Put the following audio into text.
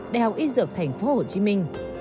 đại học y dược thành phố hồ chí minh